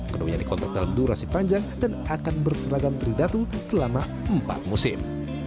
keduanya dikontrak dalam durasi panjang dan akan berseragam tridatu selama empat musim